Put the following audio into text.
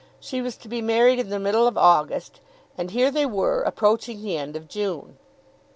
She was to be married in the middle of August, and here they were, approaching the end of June.